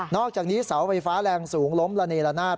อกจากนี้เสาไฟฟ้าแรงสูงล้มระเนละนาด